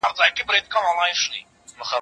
پرون او نن مي تر اته زره زياتي جملې